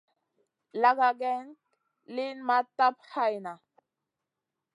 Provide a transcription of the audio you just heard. Laga geyn liyn ma tap hayna.